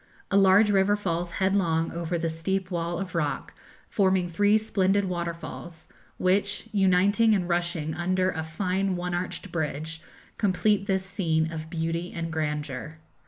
A large river falls headlong over the steep wall of rock, forming three splendid waterfalls, which, uniting and rushing under a fine one arched bridge, complete this scene of beauty and grandeur.